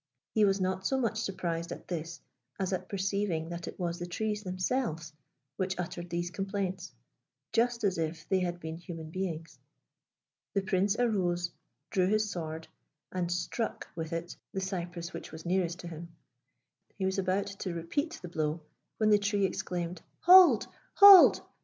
He was not so much surprised at this as at perceiving that it was the trees themselves which uttered these complaints, just as if they had been human beings. The Prince arose, drew his sword, and struck with it the cypress which was nearest to him. He was about to repeat the blow, when the tree exclaimed, "Hold! hold!